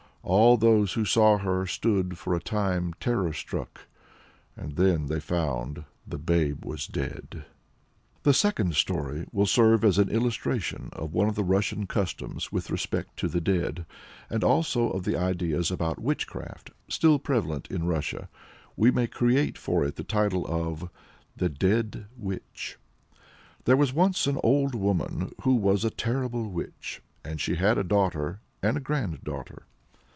All those who saw her stood for a time terror struck; and then they found the babe was dead. The second story will serve as an illustration of one of the Russian customs with respect to the dead, and also of the ideas about witchcraft, still prevalent in Russia. We may create for it the title of THE DEAD WITCH. There was once an old woman who was a terrible witch, and she had a daughter and a granddaughter.